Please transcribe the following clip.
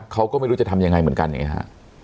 เขาก็ไม่รู้จะทำยังไงเหมือนกันน่ะ